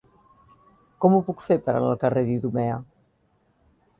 Com ho puc fer per anar al carrer d'Idumea?